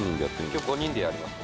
今日５人でやります。